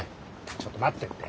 ちょっと待ってって。